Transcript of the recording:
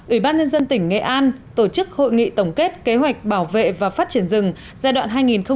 ủy ban nhân dân tỉnh nghệ an tổ chức hội nghị tổng kết kế hoạch bảo vệ và phát triển rừng giai đoạn hai nghìn một mươi sáu hai nghìn hai mươi